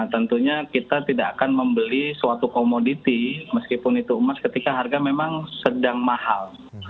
tentunya kita tidak akan membeli suatu komoditi meskipun itu emas ketika harga memang sedang mahal